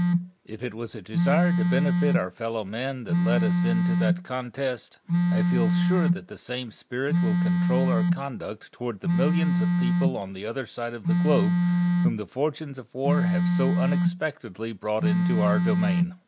If it was a desire to benefit our fellow men that led us into that contest, I feel sure the same spirit will control our conduct toward the millions of people on the other side of the globe whom the fortunes of war have so unexpectedly brought into our dominion.